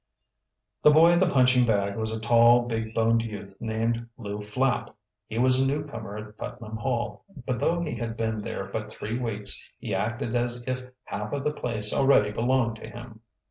The boy at the punching bag was a tall, big boned youth, named Lew Flapp. He was a newcomer at Putnam Hall, but though he had been there but three weeks he acted as if half of the place already belonged to him.